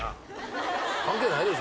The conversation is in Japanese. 関係ないでしょ。